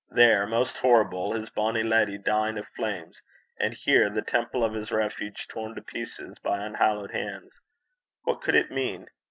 There, most horrible! his 'bonny leddy' dying of flames, and here, the temple of his refuge torn to pieces by unhallowed hands! What could it mean?